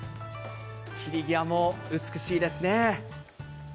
散り際も美しいですね。